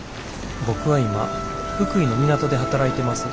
「僕は今福井の港で働いてます」。